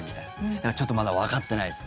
でも、ちょっとまだわかってないです。